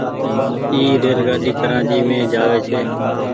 اي ريل گآڏي ڪرآچي مين جآوي ڇي۔